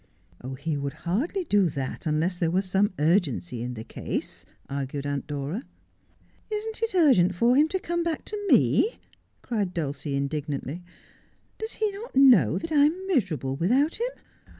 ' He would hardly do that unless there were some urgency in the case,' argued Aunt Dora. ' Isn't it urgent for him to come back to me ?' cried Dulcie indignantly. ' Does he not know that I am miserable without him?